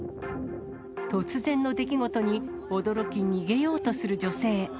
突然の出来事に、驚き、逃げようとする女性。